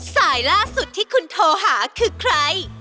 สายล่าสุดที่คุณโทรหาคือใคร